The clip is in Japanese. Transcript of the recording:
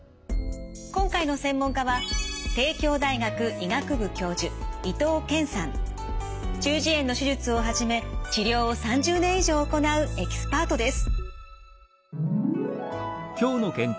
今回の専門家は中耳炎の手術をはじめ治療を３０年以上行うエキスパートです。